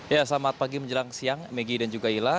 ya selamat pagi menjelang siang megi dan juga ila